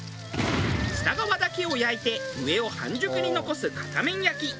下側だけを焼いて上を半熟に残す片面焼き。